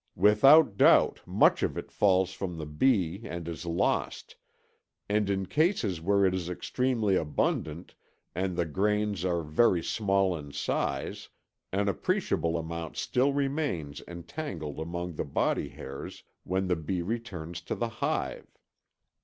Without doubt much of it falls from the bee and is lost, and in cases where it is extremely abundant and the grains are very small in size an appreciable amount still remains entangled among the body hairs when the bee returns to the hive.